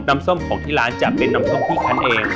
ส้มของที่ร้านจะเป็นน้ำส้มที่คันเอง